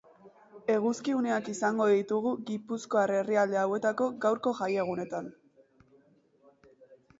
Eguzki uneak izango ditugu gipuzkoar herrialde hauetako gaurko jaiegunetan.